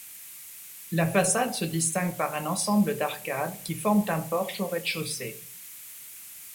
La façade se distingue par un ensemble d'arcades qui forment un porche au rez-de-chaussée.